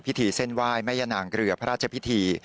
พิธีเส้นวายแม่ย่านางเรือพระราชพิธี